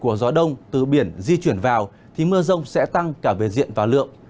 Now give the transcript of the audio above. có nơi có gió đông từ biển di chuyển vào thì mưa rông sẽ tăng cả biển diện và lượng